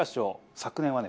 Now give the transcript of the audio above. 昨年はね